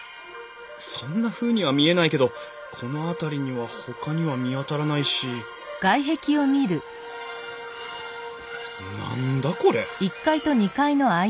そんなふうには見えないけどこの辺りにはほかには見当たらないし何だこれ！？